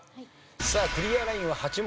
さあクリアラインは８問。